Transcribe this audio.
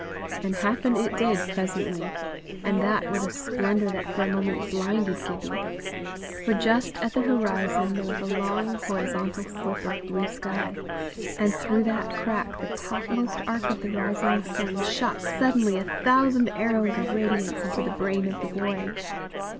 And happen it did presently, and that with a splendour that for a moment blinded Gibbie. For just at the horizon there was a long horizontal slip of blue sky, and through that crack the topmost arc of the rising sun shot suddenly a thousand arrows of radiance into the brain of the boy.